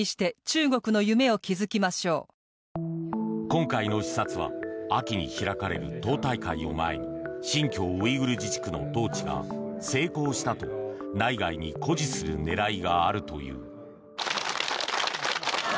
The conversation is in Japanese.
今回の視察は秋に開かれる党大会を前に新疆ウイグル自治区の統治が成功したと内外に誇示する狙いがあるという。